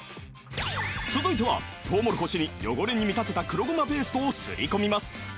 続いてはとうもろこしに汚れに見立てた黒ゴマペーストを擦り込みます